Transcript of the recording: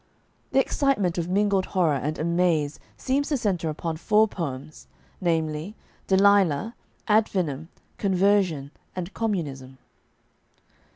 The excitement of mingled horror and amaze seems to center upon four poems, namely: "Delilah," "Ad Finem," "Conversion," and "Communism."